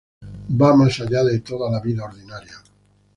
Va más allá de toda la vida ordinaria.